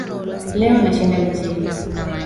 Leo nashinda mjini